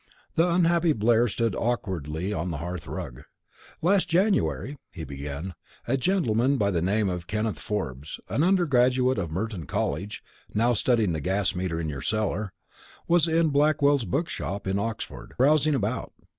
The unhappy Blair stood awkwardly on the hearth rug. "Last January," he began, "a gentleman by the name of Kenneth Forbes, an undergraduate of Merton College (now studying the gas meter in your cellar), was in Blackwell's book shop, in Oxford, browsing about.